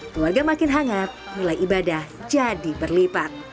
keluarga makin hangat nilai ibadah jadi berlipat